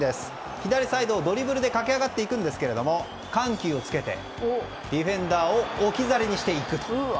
左サイドをドリブルで駆け上がっていくんですけれども緩急をつけてディフェンダーを置き去りにしていく。